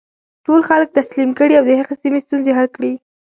ټول خلک تسلیم کړي او د هغې سیمې ستونزې حل کړي.